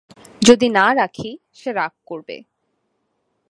যদি না রাখি, সে রাগ করবে।